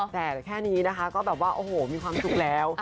แต่แค่นี้นะคะก็แบบว่าโอ้โหมีความสุขแล้ว